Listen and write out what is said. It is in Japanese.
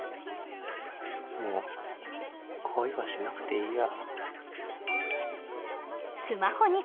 もう恋はしなくていいや